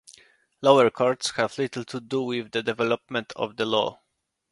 Lower courts have little to do with the development of the law.